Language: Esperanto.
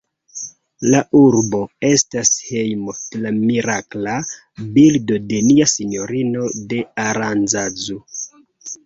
La urbo estas hejmo de la mirakla bildo de Nia Sinjorino de Aranzazu.